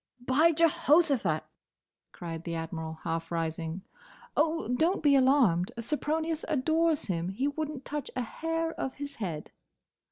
"By Jehoshaphat!" cried the Admiral, half rising. "Oh, don't be alarmed! Sempronius adores him. He would n't touch a hair of his head."